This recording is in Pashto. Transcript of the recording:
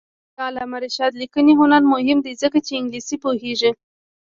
د علامه رشاد لیکنی هنر مهم دی ځکه چې انګلیسي پوهېږي.